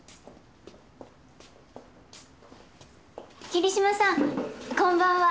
桐島さんこんばんは。